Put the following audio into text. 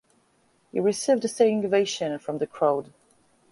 He received a standing ovation from the crowd.